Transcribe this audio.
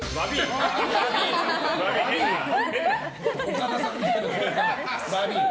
岡田さんみたいな。